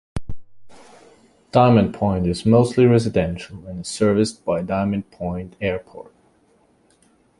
Diamond Point is mostly residential and is serviced by Diamond Point Airport.